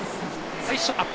最初のアップ